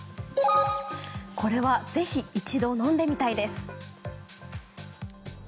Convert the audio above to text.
これは、ぜひ一度飲んでみたいです。